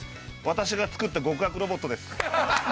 私が作った極悪ロボットです。